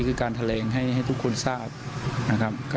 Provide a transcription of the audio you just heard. คือการแถลงให้ทุกคนทราบนะครับ